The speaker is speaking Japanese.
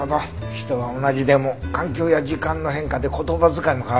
人は同じでも環境や時間の変化で言葉遣いも変わるんだね。